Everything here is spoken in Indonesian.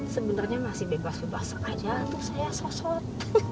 sebenernya masih bebas bebas aja tuh saya sosot